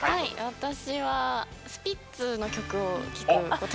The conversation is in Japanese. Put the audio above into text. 私はスピッツの曲を聴くこと。